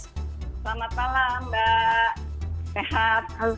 selamat malam mbak sehat